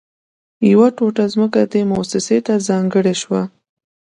يوه ټوټه ځمکه دې مؤسسې ته ځانګړې شوه